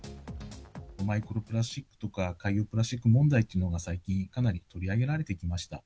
マイクロプラスチックとか、海洋プラスチック問題っていうのが最近、かなり取り上げられてきました。